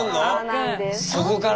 そこから？